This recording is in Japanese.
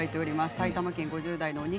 埼玉県５０代の方。